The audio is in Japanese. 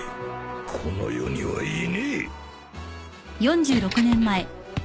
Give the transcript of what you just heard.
この世にはいねえ！